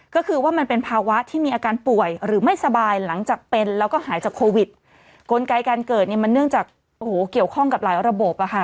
ก็คือว่ามันเป็นภาวะที่มีอาการป่วยหรือไม่สบายหลังจากเป็นแล้วก็หายจากโควิดกลไกการเกิดเนี่ยมันเนื่องจากโอ้โหเกี่ยวข้องกับหลายระบบอ่ะค่ะ